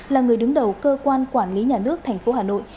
là người đứng đầu cơ quan quản lý nhà nước thành phố hà nội